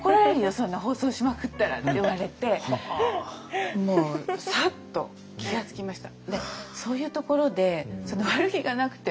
そんな包装しまくったら」って言われてもうさっと気が付きました。